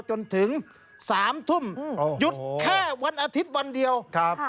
จนถึงสามทุ่มหยุดแค่วันอาทิตย์วันเดียวครับ